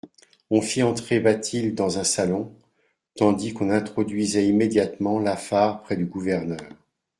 On fit entrer Bathilde dans un salon, tandis qu'on introduisait immédiatement Lafare près du gouverneur.